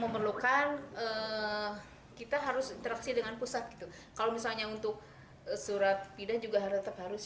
kita perlukan kita harus interaksi dengan pusat itu kalau misalnya untuk surat pindah juga harus